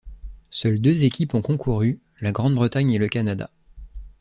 Seules deux équipes ont concouru, la Grande-Bretagne et le Canada.